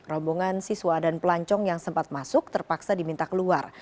rombongan siswa dan pelancong yang sempat masuk terpaksa diminta keluar